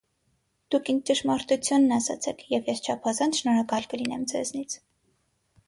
Դուք ինձ ճշմարտությունն ասացեք, և ես չափազանց շնորհակալ կլինեմ ձեզնից: